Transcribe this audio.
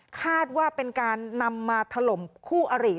คาดว่าเป็นการนำมาถล่มคู่อริ